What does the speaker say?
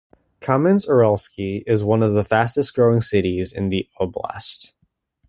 Kamensk-Uralsky is one of the fastest-growing cities in the oblast.